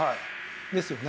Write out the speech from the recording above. ですよね。